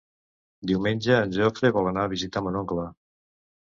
Diumenge en Jofre vol anar a visitar mon oncle.